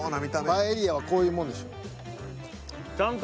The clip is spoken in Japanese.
パエリアはこういうもんでしょ。